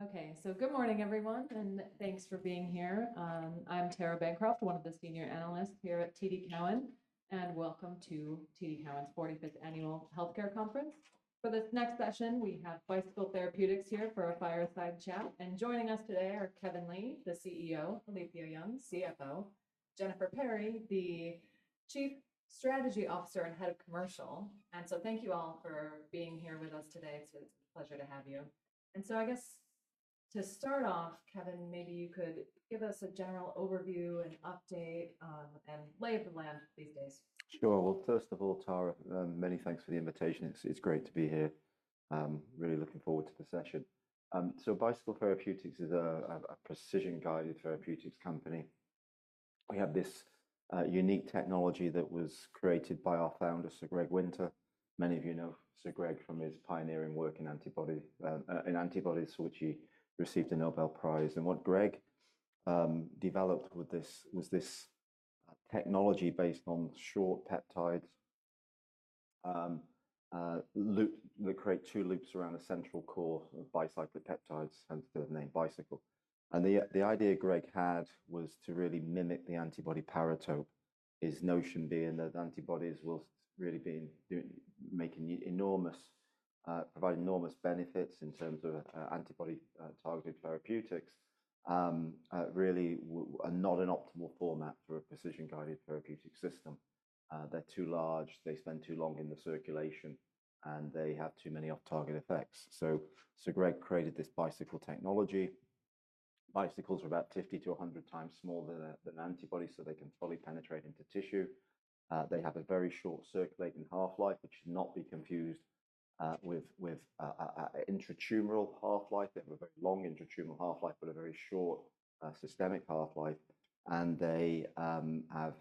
Okay, good morning, everyone, and thanks for being here. I'm Tara Bancroft, one of the senior analysts here at TD Cowen, and welcome to TD Cowen's 45th Annual Healthcare Conference. For this next session, we have Bicycle Therapeutics here for a fireside chat, and joining us today are Kevin Lee, the CEO, Alethia Young, CFO, Jennifer Perry, the Chief Strategy Officer and Head of Commercial. Thank you all for being here with us today. It's a pleasure to have you. I guess to start off, Kevin, maybe you could give us a general overview and update and lay of the land these days. Sure. First of all, Tara, many thanks for the invitation. It's great to be here. Really looking forward to the session. Bicycle Therapeutics is a precision-guided therapeutics company. We have this unique technology that was created by our founder, Sir Greg Winter. Many of you know Sir Greg from his pioneering work in antibodies, for which he received a Nobel Prize. What Greg developed with this was this technology based on short peptides that create two loops around a central core of bicyclopeptides, hence the name bicycle. The idea Greg had was to really mimic the antibody paratope. His notion being that antibodies, while really providing enormous benefits in terms of antibody-targeted therapeutics, are not an optimal format for a precision-guided therapeutic system. They're too large, they spend too long in the circulation, and they have too many off-target effects. Sir Greg created this bicycle technology. Bicycles are about 50-100 times smaller than antibodies, so they can fully penetrate into tissue. They have a very short circulating half-life, which should not be confused with intratumoral half-life. They have a very long intratumoral half-life, but a very short systemic half-life, and they have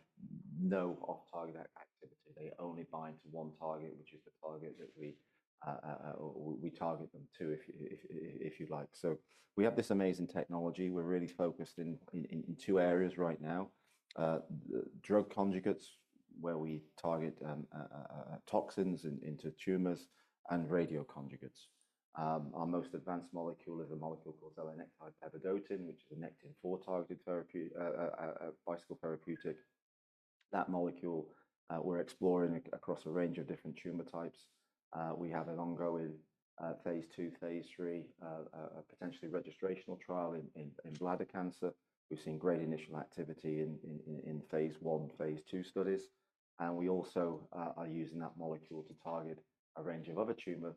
no off-target activity. They only bind to one target, which is the target that we target them to, if you like. We have this amazing technology. We're really focused in two areas right now: drug conjugates, where we target toxins into tumors, and radioconjugates. Our most advanced molecule is a molecule called zelenectide pevedotin, which is a Nectin-4 targeted Bicycle therapeutic. That molecule we're exploring across a range of different tumor types. We have an ongoing phase II, phase III potentially registrational trial in bladder cancer. We've seen great initial activity in phase I, phase II studies. We also are using that molecule to target a range of other tumor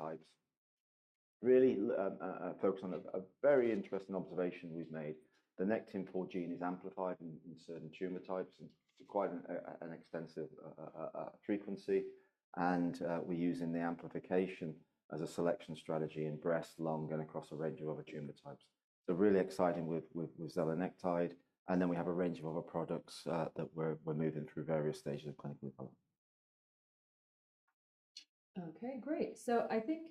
types. Really focused on a very interesting observation we've made. The Nectin-4 gene is amplified in certain tumor types and requires an extensive frequency. We're using the amplification as a selection strategy in breast, lung, and across a range of other tumor types. Really exciting with zelenectide pevedotin. We have a range of other products that we're moving through various stages of clinical development. Okay, great. I think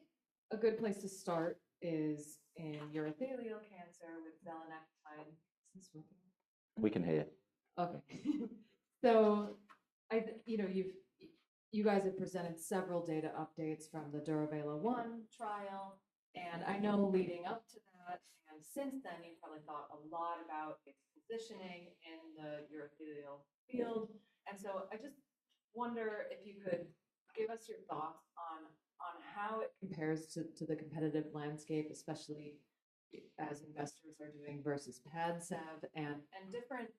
a good place to start is in urothelial cancer with zelenectide pevedotin. We can hear you. Okay. You guys have presented several data updates from the Duravelo-1 trial. I know leading up to that and since then, you probably thought a lot about its positioning in the urothelial field. I just wonder if you could give us your thoughts on how it compares to the competitive landscape, especially as investors are doing versus PADCEV and different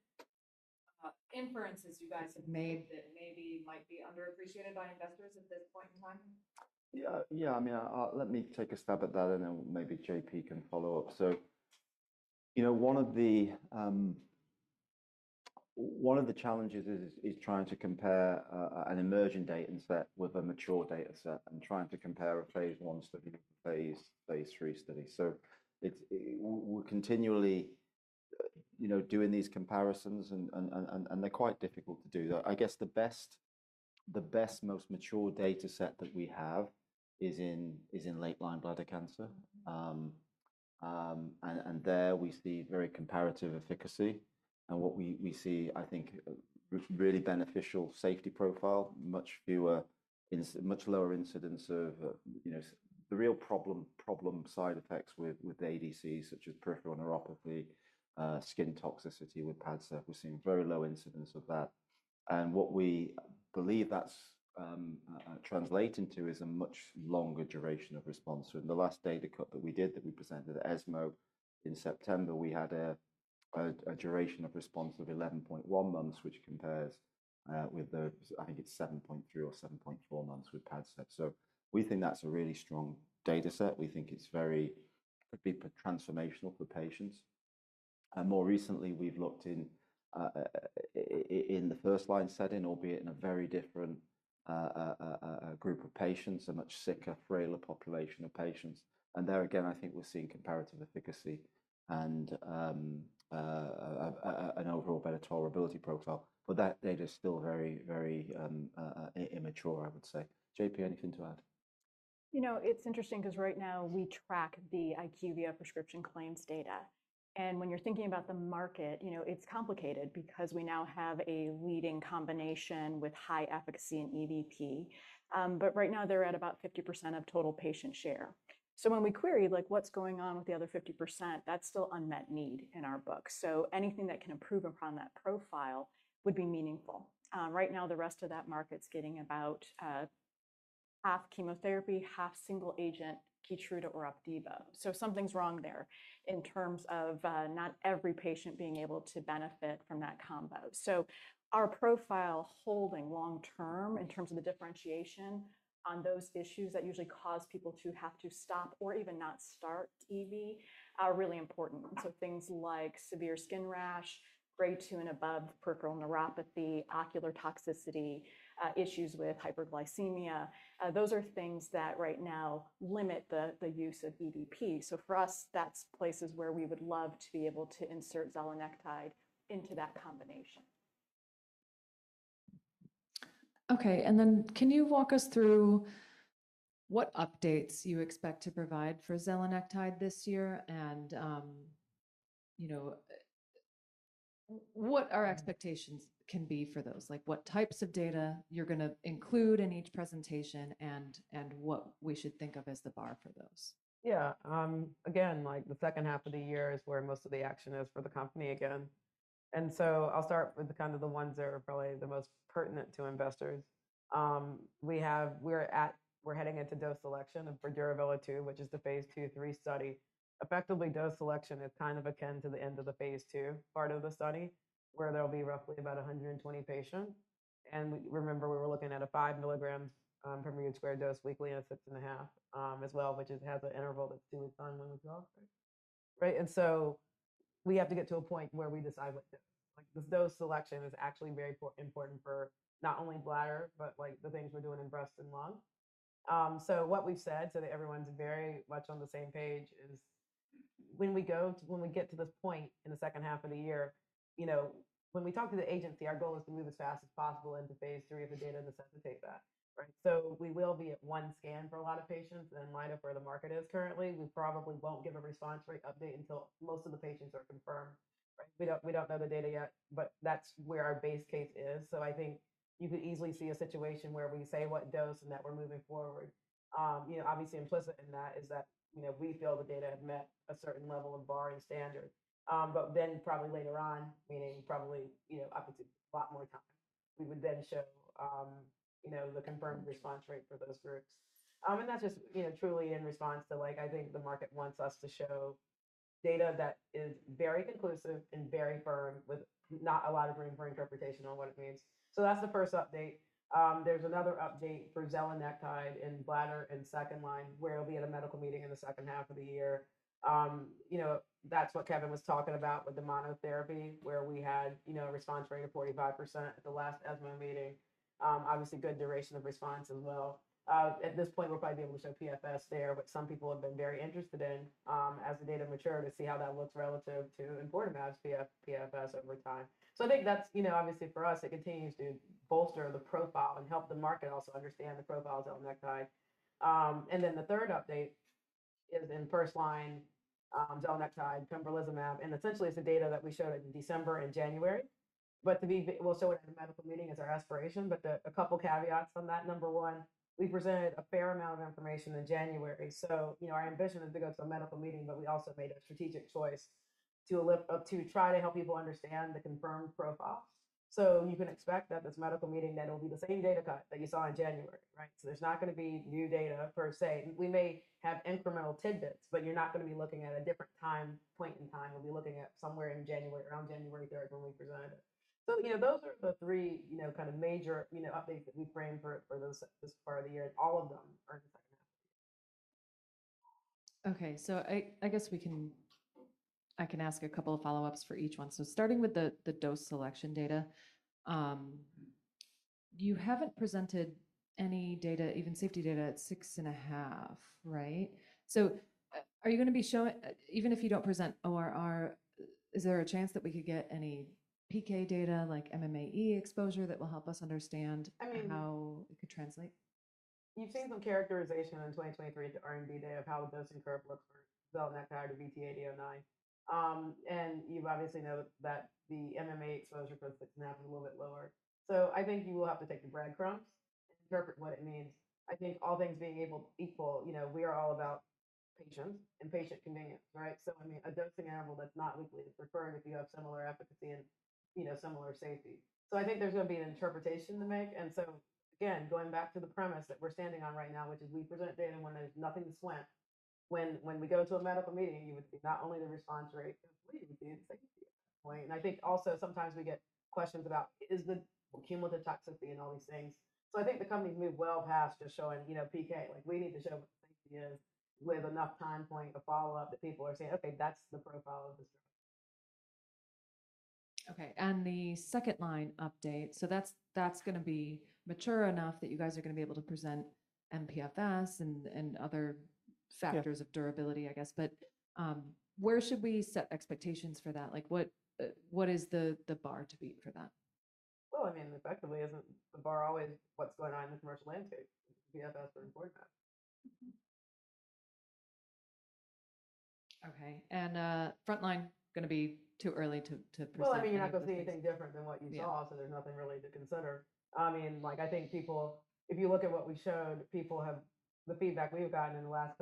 inferences you guys have made that maybe might be underappreciated by investors at this point in time. Yeah, yeah. I mean, let me take a stab at that, and then maybe JP can follow up. One of the challenges is trying to compare an emerging data set with a mature data set and trying to compare a phase I study with a phase III study. We are continually doing these comparisons, and they are quite difficult to do. I guess the best, the best most mature data set that we have is in late-line bladder cancer. There we see very comparative efficacy. What we see, I think, is a really beneficial safety profile, much fewer, much lower incidence of the real problem side effects with ADC, such as peripheral neuropathy, skin toxicity with PADCEV. We are seeing very low incidence of that. What we believe that is translating to is a much longer duration of response. In the last data cut that we did, that we presented at ESMO in September, we had a duration of response of 11.1 months, which compares with the, I think it's 7.3 or 7.4 months with PADCEV. We think that's a really strong data set. We think it could be transformational for patients. More recently, we've looked in the first-line setting, albeit in a very different group of patients, a much sicker, frailer population of patients. There again, I think we're seeing comparative efficacy and an overall better tolerability profile. That data is still very, very immature, I would say. JP, anything to add? You know, it's interesting because right now we track the IQVIA prescription claims data. And when you're thinking about the market, it's complicated because we now have a leading combination with high efficacy and EVP. But right now they're at about 50% of total patient share. So when we query what's going on with the other 50%, that's still unmet need in our book. So anything that can improve upon that profile would be meaningful. Right now, the rest of that market's getting about half chemotherapy, half single-agent Keytruda or Opdivo. So something's wrong there in terms of not every patient being able to benefit from that combo. So our profile holding long-term in terms of the differentiation on those issues that usually cause people to have to stop or even not start EV are really important. Things like severe skin rash, grade two and above peripheral neuropathy, ocular toxicity, issues with hyperglycemia, those are things that right now limit the use of EVP. For us, that's places where we would love to be able to insert zelenectide into that combination. Okay. Can you walk us through what updates you expect to provide for zelenectide this year and what our expectations can be for those? Like what types of data you're going to include in each presentation and what we should think of as the bar for those? Yeah. Again, like the second half of the year is where most of the action is for the company again. I'll start with kind of the ones that are probably the most pertinent to investors. We're heading into dose selection for Duravelo-2, which is the phase II/III study. Effectively, dose selection is kind of akin to the end of the phase II part of the study where there'll be roughly about 120 patients. Remember, we were looking at a 5 mg per m² dose weekly and a 6.5 as well, which has an interval that's two weeks on when we draw, right? We have to get to a point where we decide what dose. This dose selection is actually very important for not only bladder, but the things we're doing in breast and lung. What we've said so that everyone's very much on the same page is when we get to this point in the second half of the year, when we talk to the agency, our goal is to move as fast as possible into phase III of the data to sensitize that, right? We will be at one scan for a lot of patients and then line up where the market is currently. We probably won't give a response rate update until most of the patients are confirmed, right? We don't know the data yet, but that's where our base case is. I think you could easily see a situation where we say what dose and that we're moving forward. Obviously, implicit in that is that we feel the data have met a certain level of bar and standard. Then probably later on, meaning probably up to a lot more time, we would then show the confirmed response rate for those groups. That is just truly in response to, I think the market wants us to show data that is very conclusive and very firm with not a lot of room for interpretation on what it means. That is the first update. There is another update for zelenectide in bladder and second line where it will be at a medical meeting in the second half of the year. That is what Kevin was talking about with the monotherapy where we had a response rate of 45% at the last ESMO meeting. Obviously, good duration of response as well. At this point, we'll probably be able to show PFS there, which some people have been very interested in as the data mature to see how that looks relative to important PFS over time. I think that's obviously for us, it continues to bolster the profile and help the market also understand the profile of zelenectide. The third update is in first line, zelenectide, pembrolizumab. Essentially, it's the data that we showed in December and January. We'll show it at a medical meeting as our aspiration. A couple of caveats on that. Number one, we presented a fair amount of information in January. Our ambition is to go to a medical meeting, but we also made a strategic choice to try to help people understand the confirmed profile. You can expect at this medical meeting that it'll be the same data cut that you saw in January, right? There's not going to be new data per-say. We may have incremental tidbits, but you're not going to be looking at a different time point in time. We'll be looking at somewhere in January, around January 3rd when we presented it. Those are the three kind of major updates that we framed for this part of the year. All of them are in the second half of the year. Okay. I guess I can ask a couple of follow-ups for each one. Starting with the dose selection data, you have not presented any data, even safety data at six and a half, right? Are you going to be showing, even if you do not present ORR, is there a chance that we could get any PK data like MMAE exposure that will help us understand how it could translate? You've seen some characterization in 2023 to R&D day of how the dosing curve looks for zelenectide BT8009. And you obviously know that the MMAE exposure for six and a half is a little bit lower. I think you will have to take the breadcrumbs, interpret what it means. I think all things being equal, we are all about patients and patient convenience, right? A dosing interval that's not weekly is preferred if you have similar efficacy and similar safety. I think there's going to be an interpretation to make. Again, going back to the premise that we're standing on right now, which is we present data when there's nothing swamped, when we go to a medical meeting, you would see not only the response rate, completely safety at that point. I think also sometimes we get questions about is the chemical toxicity and all these things. I think the company's moved well past just showing PK. We need to show what the safety is with enough time point of follow-up that people are saying, "Okay, that's the profile of this drug. Okay. The second line update, that is going to be mature enough that you guys are going to be able to present MPFS and other factors of durability, I guess. Where should we set expectations for that? What is the bar to be for that? I mean, effectively, isn't the bar always what's going on in the commercial landscape? PFS are important now. Okay. Front line, going to be too early to present. I mean, I don't see anything different than what you saw, so there's nothing really to consider. I mean, I think people, if you look at what we showed, people have the feedback we've gotten in the last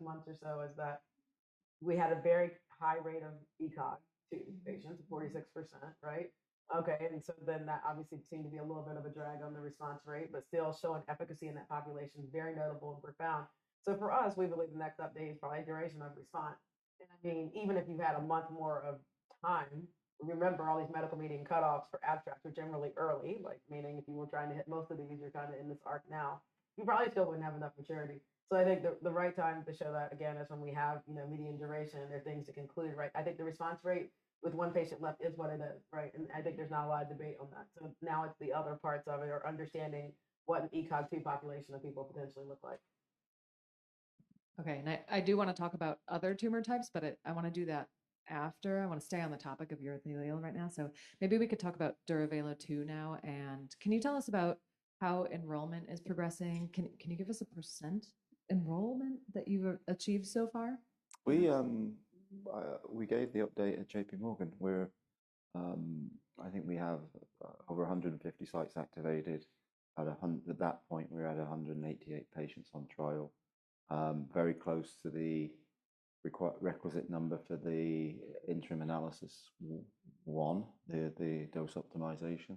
month or so is that we had a very high rate of ECOG-2 patients, 46%, right? Okay. That obviously seemed to be a little bit of a drag on the response rate, but still showing efficacy in that population, very notable and profound. For us, we believe the next update is probably a duration of response. I mean, even if you had a month more of time, remember all these medical meeting cutoffs for abstracts are generally early, meaning if you were trying to hit most of these, you're kind of in this arc now, you probably still wouldn't have enough maturity. I think the right time to show that again is when we have median duration and there are things to conclude, right? I think the response rate with one patient left is what it is, right? I think there's not a lot of debate on that. Now it's the other parts of it or understanding what an ECOG-2 population of people potentially look like. Okay. I do want to talk about other tumor types, but I want to do that after. I want to stay on the topic of urothelial right now. Maybe we could talk about Duravelo-2 now. Can you tell us about how enrollment is progressing? Can you give us a percent enrollment that you've achieved so far? We gave the update at JPMorgan. I think we have over 150 sites activated. At that point, we were at 188 patients on trial, very close to the requisite number for the interim analysis one, the dose optimization.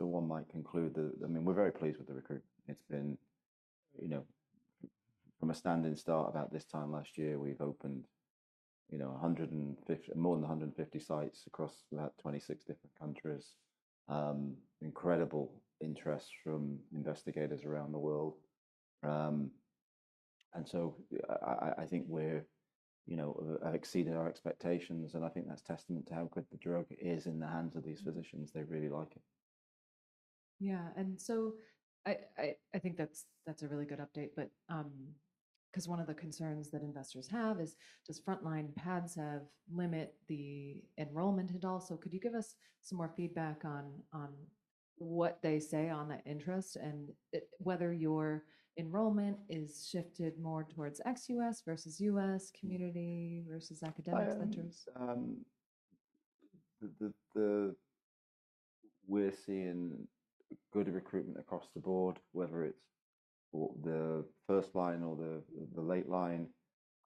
I mean, we're very pleased with the recruitment. It's been from a standing start about this time last year, we've opened more than 150 sites across about 26 different countries. Incredible interest from investigators around the world. I think we've exceeded our expectations. I think that's testament to how good the drug is in the hands of these physicians. They really like it. Yeah. I think that's a really good update. Because one of the concerns that investors have is does front line PADCEV limit the enrollment at all? Could you give us some more feedback on what they say on that interest and whether your enrollment is shifted more towards ex-U.S. versus U.S. community versus academic centers? I think we're seeing good recruitment across the board, whether it's the first line or the late line.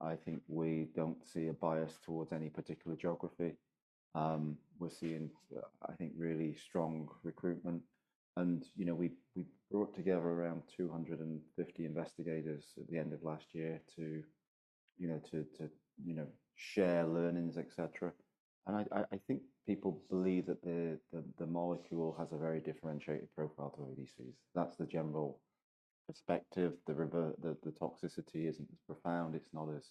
I think we don't see a bias towards any particular geography. We're seeing, I think, really strong recruitment. We brought together around 250 investigators at the end of last year to share learnings, etc. I think people believe that the molecule has a very differentiated profile to ADCs. That's the general perspective. The toxicity isn't as profound. It's not as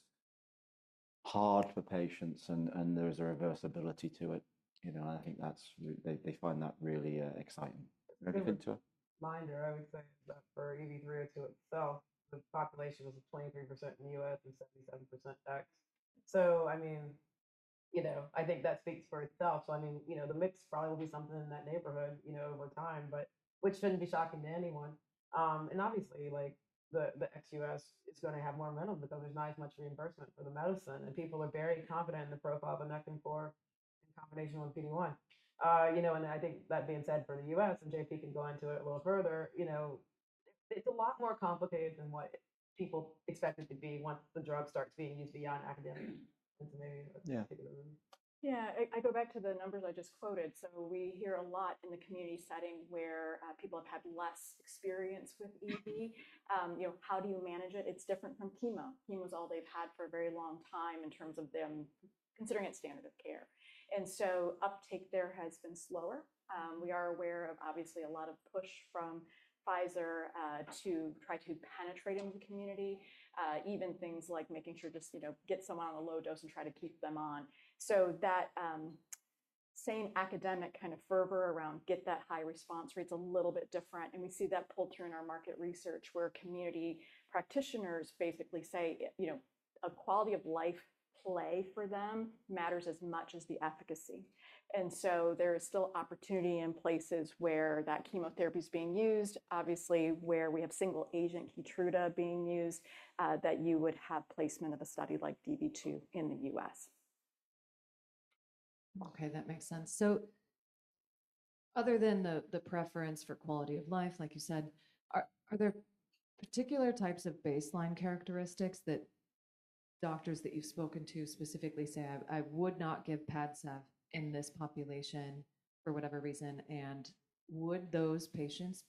hard for patients. There is a reversibility to it. I think they find that really exciting. Anything to it? I think it's a reminder, I would say, that for EV-3 or 2 itself, the population was 23% in the U.S. and 77% ex-U.S. I mean, I think that speaks for itself. I mean, the mix probably will be something in that neighborhood over time, which shouldn't be shocking to anyone. Obviously, the ex-U.S. is going to have more minimum because there's not as much reimbursement for the medicine. People are very confident in the profile of a Nectin-4 in combination with PD-1. I think that being said for the U.S., and JP can go into it a little further, it's a lot more complicated than what people expect it to be once the drug starts being used beyond academics. Yeah. I go back to the numbers I just quoted. We hear a lot in the community setting where people have had less experience with EV. How do you manage it? It's different from chemo. Chemo is all they've had for a very long time in terms of them considering it standard of care. Uptake there has been slower. We are aware of obviously a lot of push from Pfizer to try to penetrate into the community, even things like making sure just get someone on a low dose and try to keep them on. That same academic kind of fervor around get that high response rate is a little bit different. We see that pull through in our market research where community practitioners basically say a quality of life play for them matters as much as the efficacy. There is still opportunity in places where that chemotherapy is being used, obviously where we have single agent KEYTRUDA being used, that you would have placement of a study like DV2 in the U.S. That makes sense. Other than the preference for quality of life, like you said, are there particular types of baseline characteristics that doctors that you've spoken to specifically say, "I would not give PADCEV in this population for whatever reason," and would those patients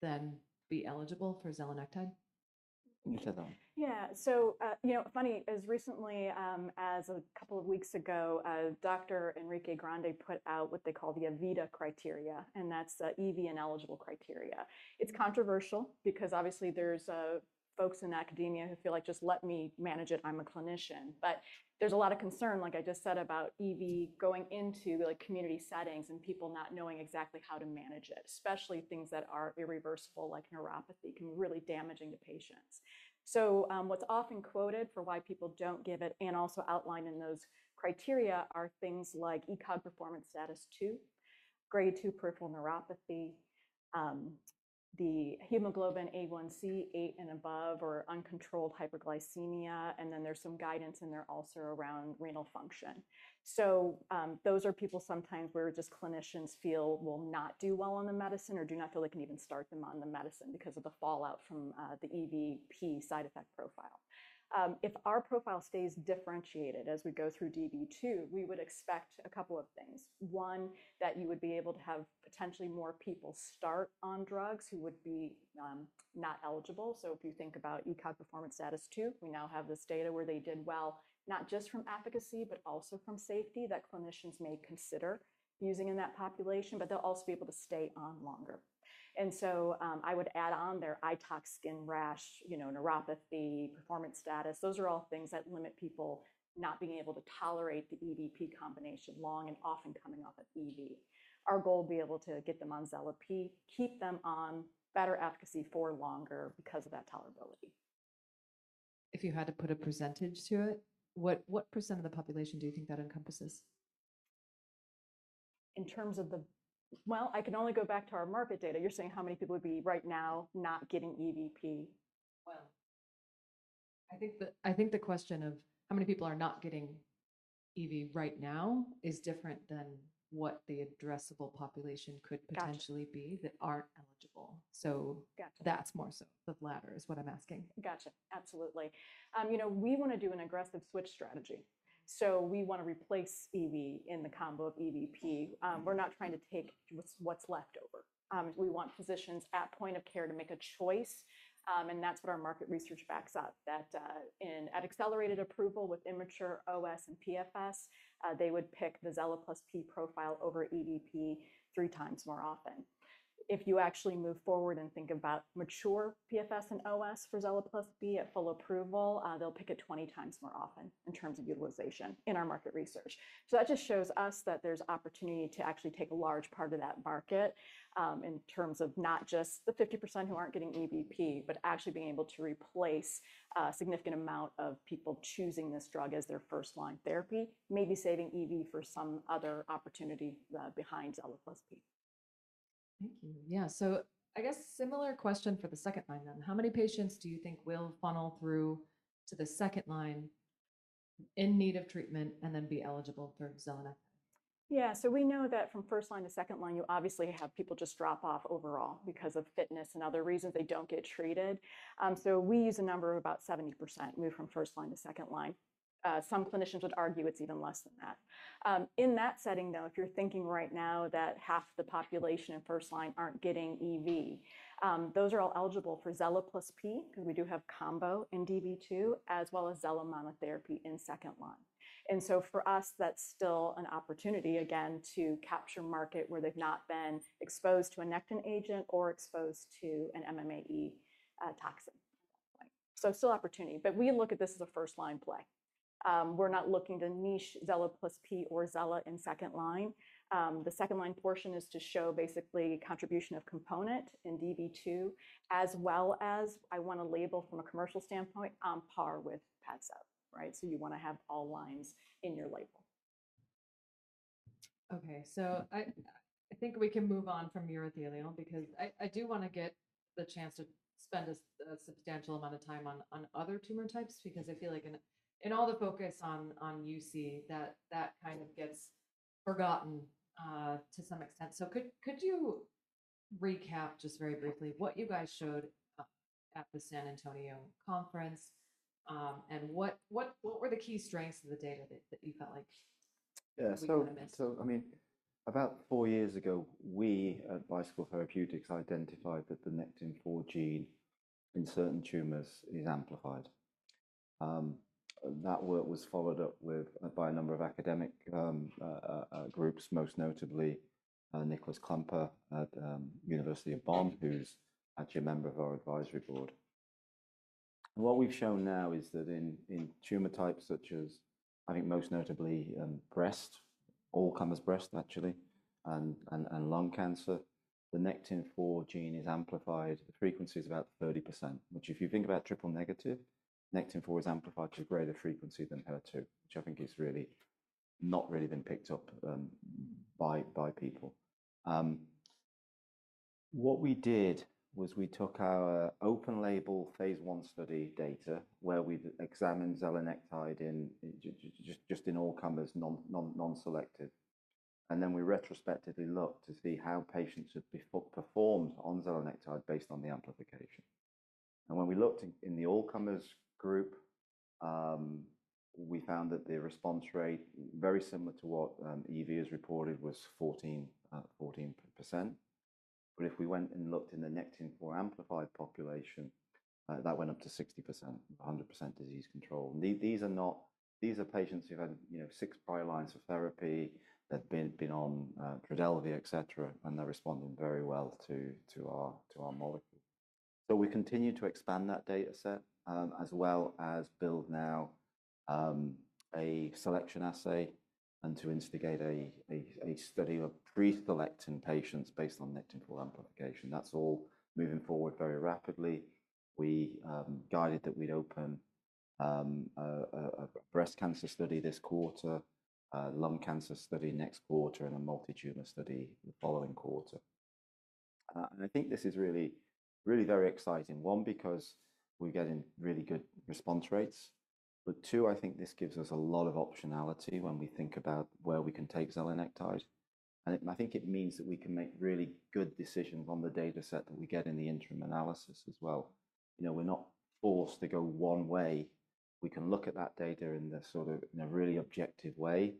then be eligible for zelenectide? You said that one. Yeah. So funny, as recently as a couple of weeks ago, Dr. Enrique Grande put out what they call the EVITA criteria, and that's EV ineligible criteria. It's controversial because obviously there's folks in academia who feel like, "Just let me manage it. I'm a clinician." There is a lot of concern, like I just said, about EV going into community settings and people not knowing exactly how to manage it, especially things that are irreversible like neuropathy can really be damaging to patients. What's often quoted for why people don't give it and also outlined in those criteria are things like ECOG performance status two, grade two peripheral neuropathy, the hemoglobin A1C, eight and above, or uncontrolled hyperglycemia. There is some guidance in there also around renal function. Those are people sometimes where just clinicians feel will not do well on the medicine or do not feel they can even start them on the medicine because of the fallout from the EVP side effect profile. If our profile stays differentiated as we go through DV2, we would expect a couple of things. One, that you would be able to have potentially more people start on drugs who would be not eligible. If you think about ECOG performance status two, we now have this data where they did well, not just from efficacy, but also from safety that clinicians may consider using in that population, but they'll also be able to stay on longer. I would add on there eye tox, skin rash, neuropathy, performance status. Those are all things that limit people not being able to tolerate the EVP combination long and often coming off of EV. Our goal would be able to get them on Zele P, keep them on better efficacy for longer because of that tolerability. If you had to put a percentage to it, what percent of the population do you think that encompasses? In terms of the, I can only go back to our market data. You're saying how many people would be right now not getting EVP? I think the question of how many people are not getting EV right now is different than what the addressable population could potentially be that aren't eligible. That is more so the latter is what I'm asking. Gotcha. Absolutely. We want to do an aggressive switch strategy. We want to replace EV in the combo of EVP. We're not trying to take what's left over. We want physicians at point of care to make a choice. That's what our market research backs up, that at accelerated approval with immature OS and PFS, they would pick the Zele + P profile over EVP three times more often. If you actually move forward and think about mature PFS and OS for Zele + P at full approval, they'll pick it 20 times more often in terms of utilization in our market research. That just shows us that there's opportunity to actually take a large part of that market in terms of not just the 50% who aren't getting EVP, but actually being able to replace a significant amount of people choosing this drug as their first line therapy, maybe saving EV for some other opportunity behind Zele + P. Thank you. Yeah. I guess similar question for the second line then. How many patients do you think will funnel through to the second line in need of treatment and then be eligible for Zele? Yeah. We know that from first line to second line, you obviously have people just drop off overall because of fitness and other reasons they don't get treated. We use a number of about 70% move from first line to second line. Some clinicians would argue it's even less than that. In that setting, though, if you're thinking right now that half of the population in first line aren't getting EV, those are all eligible for Zele + P because we do have combo in DV2 as well as Zele monotherapy in second line. For us, that's still an opportunity again to capture market where they've not been exposed to a Nectin agent or exposed to an MMAE toxin. Still opportunity. We look at this as a first line play. We're not looking to niche Zele + P or zele in second line. The second line portion is to show basically contribution of component in DV2, as well as I want to label from a commercial standpoint on par with PADCEV, right? You want to have all lines in your label. Okay. I think we can move on from urothelial because I do want to get the chance to spend a substantial amount of time on other tumor types because I feel like in all the focus on UC, that kind of gets forgotten to some extent. Could you recap just very briefly what you guys showed at the San Antonio conference and what were the key strengths of the data that you felt like? Yeah. I mean, about four years ago, we at Bicycle Therapeutics identified that the Nectin-4 gene in certain tumors is amplified. That work was followed up by a number of academic groups, most notably Niklas Klümper at University of Bonn, who's actually a member of our advisory board. What we've shown now is that in tumor types such as, I think most notably, breast, all comers breast actually, and lung cancer, the Nectin-4 gene is amplified. The frequency is about 30%, which if you think about triple negative, Nectin-4 is amplified to a greater frequency than HER2, which I think has really not really been picked up by people. What we did was we took our open label phase I study data where we examined zelenectide just in all comers, non-selected. We retrospectively looked to see how patients have performed on zelenectide based on the amplification. When we looked in the all comers group, we found that the response rate, very similar to what EV has reported, was 14%. If we went and looked in the Nectin-4 amplified population, that went up to 60%, 100% disease control. These are patients who have had six prior lines of therapy. They have been on TRODELVY, etc., and they are responding very well to our molecule. We continue to expand that dataset as well as build now a selection assay and to instigate a study of pre-selecting patients based on Nectin-4 amplification. That is all moving forward very rapidly. We guided that we would open a breast cancer study this quarter, a lung cancer study next quarter, and a multitumor study the following quarter. I think this is really, really very exciting, one because we're getting really good response rates. Two, I think this gives us a lot of optionality when we think about where we can take zelenectide. I think it means that we can make really good decisions on the dataset that we get in the interim analysis as well. We're not forced to go one way. We can look at that data in a really objective way.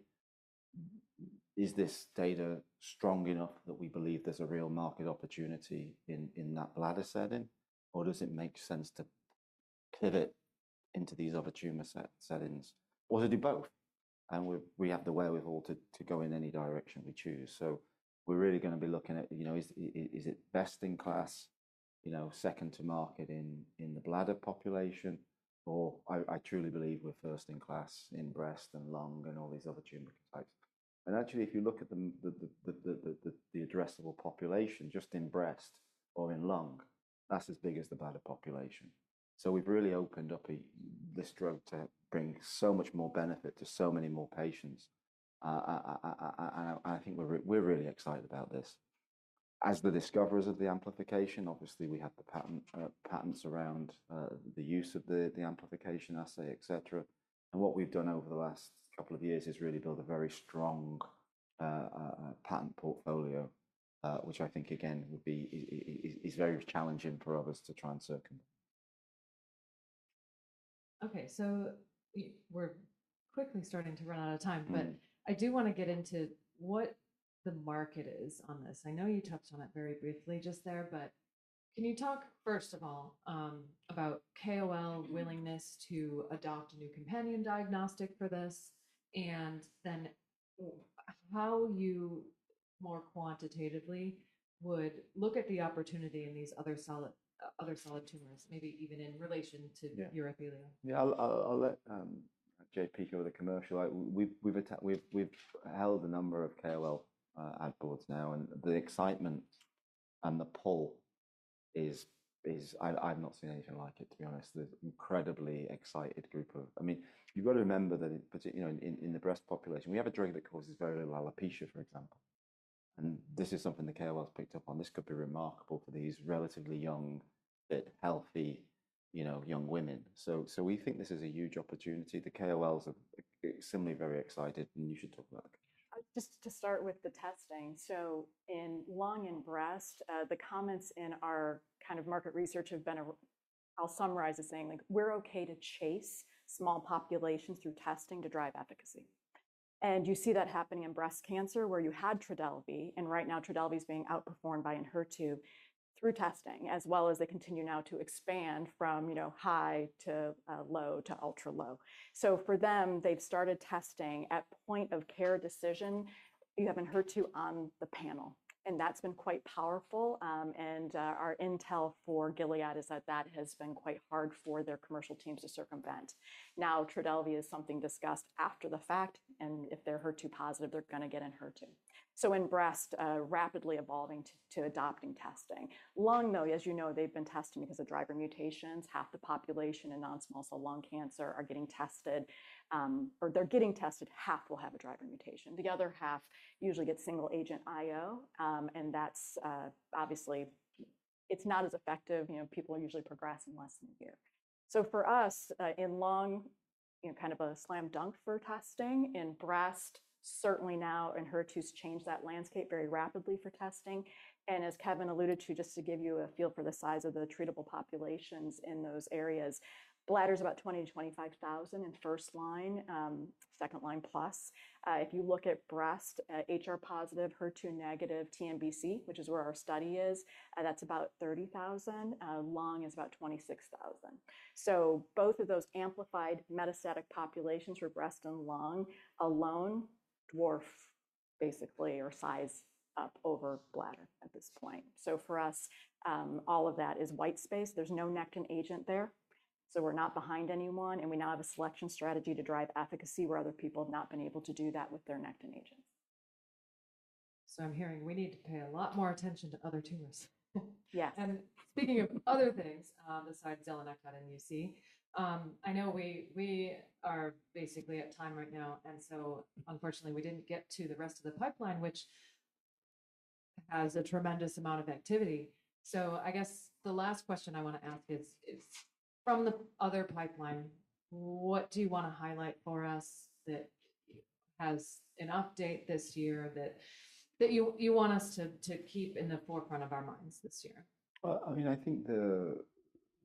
Is this data strong enough that we believe there's a real market opportunity in that bladder setting, or does it make sense to pivot into these other tumor settings? Or they do both. We have the wherewithal to go in any direction we choose. We're really going to be looking at, is it best in class, second to market in the bladder population, or I truly believe we're first in class in breast and lung and all these other tumor types. Actually, if you look at the addressable population just in breast or in lung, that's as big as the bladder population. We've really opened up this drug to bring so much more benefit to so many more patients. I think we're really excited about this. As the discoverers of the amplification, obviously, we have the patents around the use of the amplification assay, etc. What we've done over the last couple of years is really build a very strong patent portfolio, which I think, again, is very challenging for others to try and circumvent. Okay. We're quickly starting to run out of time, but I do want to get into what the market is on this. I know you touched on it very briefly just there, but can you talk first of all about KOL willingness to adopt a new companion diagnostic for this, and then how you more quantitatively would look at the opportunity in these other solid tumors, maybe even in relation to urothelial? Yeah. I'll let JP go with the commercial. We've held a number of KOL ad boards now, and the excitement and the pull is I've not seen anything like it, to be honest. There's an incredibly excited group of I mean, you've got to remember that in the breast population, we have a drug that causes very little alopecia, for example. And this is something the KOLs picked up on. This could be remarkable for these relatively young, healthy young women. We think this is a huge opportunity. The KOLs are similarly very excited, and you should talk about it. Just to start with the testing. In lung and breast, the comments in our kind of market research have been I'll summarize as saying we're okay to chase small populations through testing to drive efficacy. You see that happening in breast cancer where you had TRODELVY, and right now TRODELVY is being outperformed by HER2 through testing, as well as they continue now to expand from high to low to ultra low. For them, they've started testing at point of care decision. You have HER2 on the panel, and that's been quite powerful. Our intel for Gilead is that that has been quite hard for their commercial teams to circumvent. Now, TRODELVY is something discussed after the fact, and if they're HER2 positive, they're going to get HER2. In breast, rapidly evolving to adopting testing. Lung, though, as you know, they've been testing because of driver mutations. Half the population in non-small cell lung cancer are getting tested, or they're getting tested, half will have a driver mutation. The other half usually gets single agent IO, and that's obviously, it's not as effective. People are usually progressing less than a year. For us, in lung, kind of a slam dunk for testing. In breast, certainly now Inher2 has changed that landscape very rapidly for testing. As Kevin alluded to, just to give you a feel for the size of the treatable populations in those areas, bladder is about 20,000-25,000 in first line, second line plus. If you look at breast, HR positive, HER2 negative, TNBC, which is where our study is, that's about 30,000. Lung is about 26,000. Both of those amplified metastatic populations for breast and lung alone dwarf basically or size up over bladder at this point. For us, all of that is white space. There's no Nectin agent there. We're not behind anyone, and we now have a selection strategy to drive efficacy where other people have not been able to do that with their Nectin agents. I'm hearing we need to pay a lot more attention to other tumors. Yeah. Speaking of other things besides zelenectide and UC, I know we are basically at time right now, and unfortunately, we didn't get to the rest of the pipeline, which has a tremendous amount of activity. I guess the last question I want to ask is, from the other pipeline, what do you want to highlight for us that has an update this year that you want us to keep in the forefront of our minds this year? I mean, I think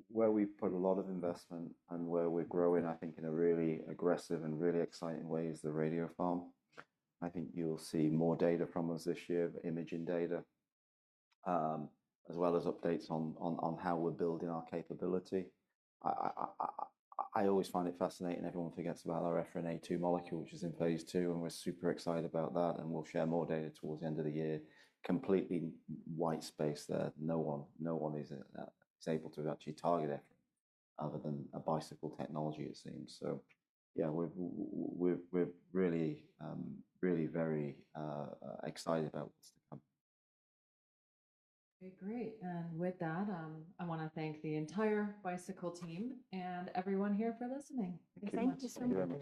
where we've put a lot of investment and where we're growing, I think in a really aggressive and really exciting way is the radiopharm. I think you'll see more data from us this year, imaging data, as well as updates on how we're building our capability. I always find it fascinating everyone forgets about our FRNA2 molecule, which is in phase II, and we're super excited about that, and we'll share more data towards the end of the year. Completely white space there. No one is able to actually target it other than a bicycle technology, it seems. Yeah, we're really, really very excited about what's to come. Okay. Great. With that, I want to thank the entire Bicycle team and everyone here for listening. Thank you so much.